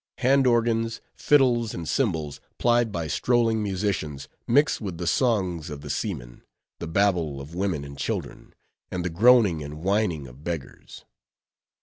Hand organs, fiddles, and cymbals, plied by strolling musicians, mix with the songs of the seamen, the babble of women and children, and the groaning and whining of beggars.